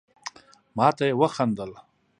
ما ته يي وخندل.